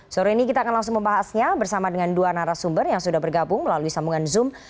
sore ini kita akan langsung membahasnya bersama dengan dua narasumber yang sudah bergabung melalui sambungan zoom